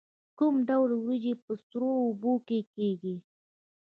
کوم ډول وریجې په سړو اوبو کې کیږي؟